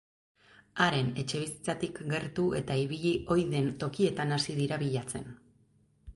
Haren etxebizitzatik gertu eta ibili ohi den tokietan hasi dira bilatzen.